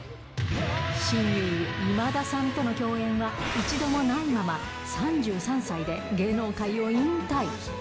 親友、今田さんとの共演は一度もないまま、３３歳で芸能界を引退。